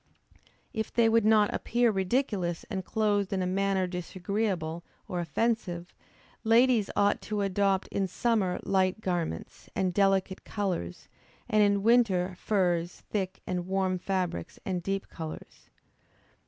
If they would not appear ridiculous and clothed in a manner disagreeable or offensive, ladies ought to adopt in summer light garments, and delicate colors, and in winter, furs, thick and warm fabrics, and deep colors.